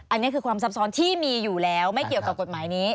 อันนี้คือความซับซ้อนที่มีอยู่แล้วไม่เกี่ยวกับกฎหมายนี้